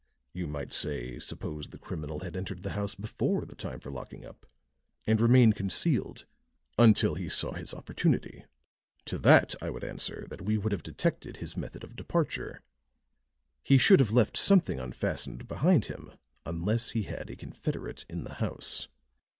You might say: Suppose the criminal had entered the house before the time for locking up and remained concealed until he saw his opportunity? To that I would answer that we would have detected his method of departure. He should have left something unfastened behind him unless he had a confederate in the house.